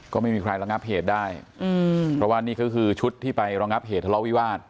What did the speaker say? ก็ไม่มีใครระงับเหตุได้อืมเพราะว่านี่ก็คือชุดที่ไประงับเหตุทะเลาะวิวาส